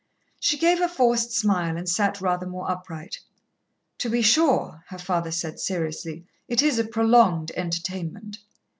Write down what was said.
She gave a forced smile and sat rather more upright. "To be sure," her father said seriously, "it is a prolonged entertainment."